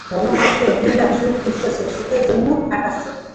ধর্ম মানুষকে দিনরাত সুখ খোঁজাচ্ছে, সুখের জন্য খাটাচ্ছে।